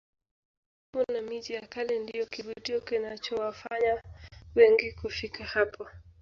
magofu na miji ya kale ndiyo kivutio kinachowafanya wengi kufika hapo